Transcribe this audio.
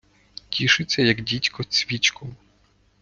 Тішиться, як дідько цьвичком.